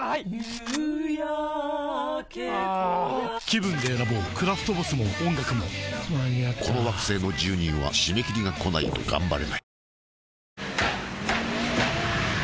気分で選ぼうクラフトボスも音楽も間に合ったこの惑星の住人は締め切りがこないとがんばれない